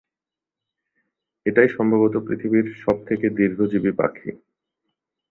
এটাই সম্ভবত পৃথিবীর সব থেকে দীর্ঘজীবী পাখি।